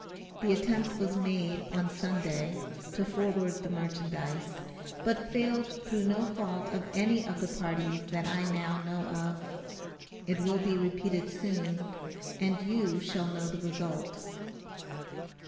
The attempt was made on Sunday to forward the merchandize, but failed through no fault of any of the parties that I now know of. It will be repeated soon, and you shall know the result.